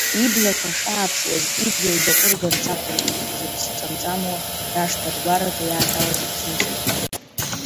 Иблақәа шааԥшуаз идгьыл даҟәыргарц ақәыркит зыԥсы ҵамҵамуа рашҭа-ргәараҭа иааҭалаз аԥсымцқьақәа!